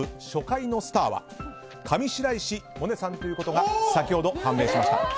初回のスターは上白石萌音さんということが先ほど判明しました。